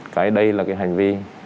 cái đây là cái hành vi